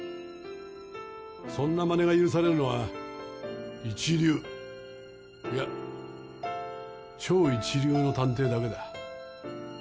そんなまねが許されるのは一流いや超一流の探偵だけだ。